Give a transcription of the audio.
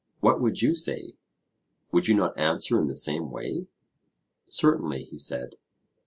What would you say? Would you not answer in the same way? Certainly, he said.